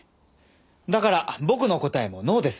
だから僕の答えもノーです。